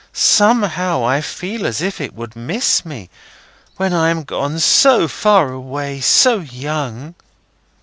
Somehow, I feel as if it would miss me, when I am gone so far away, so young."